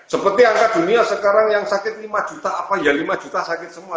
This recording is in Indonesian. seperti angka dunia sekarang yang sakit lima juta apa ya lima juta sakit semua